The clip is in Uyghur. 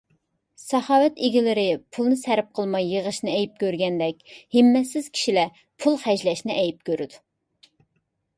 ساخاۋەت ئىگىلىرى پۇلنى سەرپ قىلماي يىغىشنى ئەيىب كۆرگەندەك، ھىممەتسىز كىشىلەر پۇل خەجلەشنى ئەيىب كۆرىدۇ.